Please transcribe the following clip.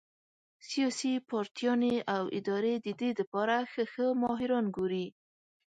سياسي پارټيانې او ادارې د دې د پاره ښۀ ښۀ ماهران ګوري